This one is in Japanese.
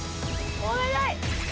お願い！